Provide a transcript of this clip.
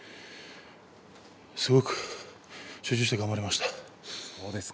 すごく集中して頑張りました。